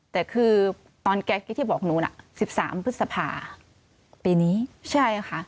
แต่คือตอนแก๊สที่บอกหนูน่ะ๑๓พฤษภาปีนี้ใช่ค่ะ